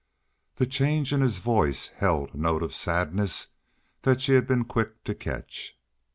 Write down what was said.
The change in his voice held a note of sadness that she had been quick to catch.